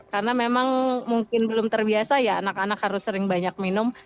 karena memang mungkin belum terbiasa ya anak anak harus sering banyak minum